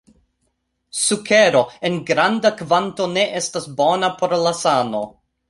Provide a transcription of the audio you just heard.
Sukero en granda kvanto ne estas bona por la sano.